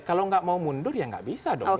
kalau nggak mau mundur ya nggak bisa dong